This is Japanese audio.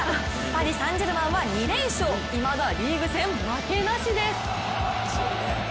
パリ・サン＝ジェルマンは２連勝いまだリーグ戦負けなしです。